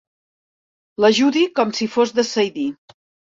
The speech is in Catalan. L'ajudi com si fos de Saidí.